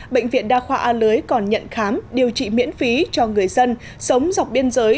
bệnh viện đa khoa a lưới còn nhận khám điều trị miễn phí cho người dân sống dọc biên giới